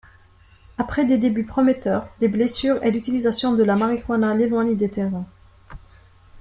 Après des débuts prometteurs des blessures et l'utilisation de la marijuana l'éloigne des terrains.